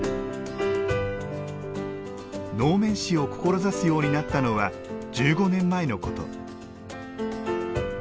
能面師を志すようになったのは１５年前のこと。